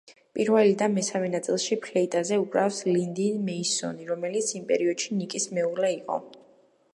პირველი და მესამე ნაწილში ფლეიტაზე უკრავს ლინდი მეისონი, რომელიც იმ პერიოდში ნიკის მეუღლე იყო.